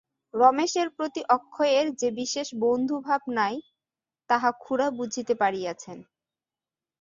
রমেশের প্রতি অক্ষয়ের যে বিশেষ বন্ধুভাব নাই, তাহা খুড়া বুঝিতে পারিয়াছেন।